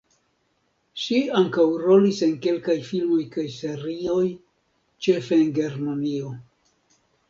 Ŝi ankaŭ rolis en kelkaj filmoj kaj serioj, ĉefe en Germanio.